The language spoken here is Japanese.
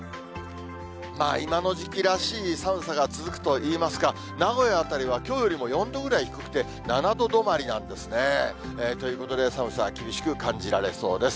今の時期らしい寒さが続くといいますか、名古屋辺りはきょうよりも４度ぐらい低くて、７度止まりなんですね。ということで、寒さは厳しく感じられそうです。